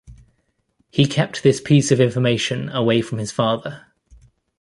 He kept this piece of information away from his father.